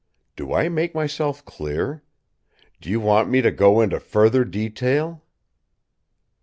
"Do I make myself clear? Do you want me to go into further detail?"